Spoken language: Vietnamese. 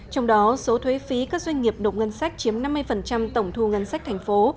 trong đó số thuế phí các doanh nghiệp nộp ngân sách chiếm năm mươi tổng thu ngân sách thành phố